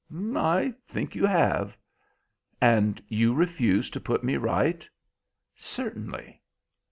"I think you have." "And you refuse to put me right?" "Certainly."